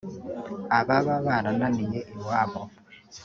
ababa barananiye Iwabo